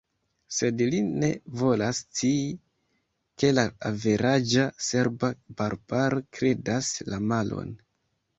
Sed li ne volas scii, ke la averaĝa serba barbaro kredas la malon.